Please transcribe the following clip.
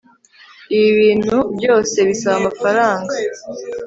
ibi bintu byose bisaba amafaranga